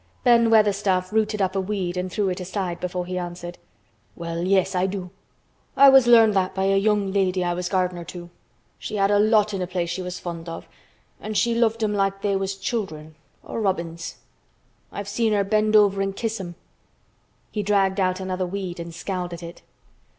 Ben Weatherstaff rooted up a weed and threw it aside before he answered. "Well, yes, I do. I was learned that by a young lady I was gardener to. She had a lot in a place she was fond of, an' she loved 'em like they was children—or robins. I've seen her bend over an' kiss 'em." He dragged out another weed and scowled at it.